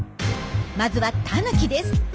まずはタヌキです。